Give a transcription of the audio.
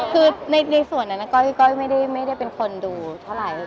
คือในส่วนนั้นก้อยไม่ได้เป็นคนดูเท่าไหร่